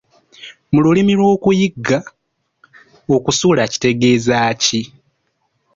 Mu lulimi lw’okuyigga okusula kitegeeza ki?